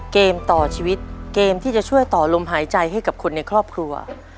เกมต่อชีวิตเกมที่จะช่วยต่อลมหายใจให้กับคนในครอบครัว